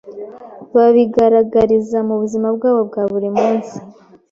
Babigaragariza mu buzima bwabo bwa buri munsi